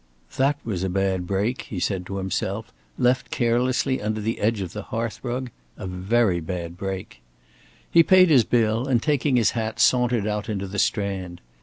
"That was a bad break," he said to himself. "Left carelessly under the edge of the hearth rug. A very bad break." He paid his bill, and taking his hat, sauntered out into the Strand.